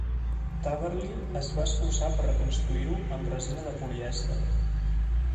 Tabarly es va esforçar per reconstruir-ho amb resina de polièster.